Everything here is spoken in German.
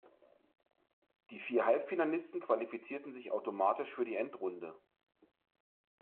Die vier Halbfinalisten qualifizierten sich automatisch für die Endrunde.